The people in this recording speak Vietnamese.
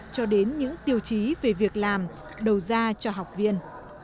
cho đến những tiêu chí về việc làm đầu ra cho học viên